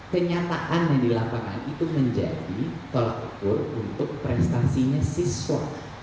kenyataan yang di lapangan itu menjadi tolak ukur untuk prestasinya siswa